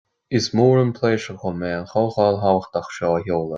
Is mór an pléisiúir dom é an chomhdháil tábhachtach seo a sheoladh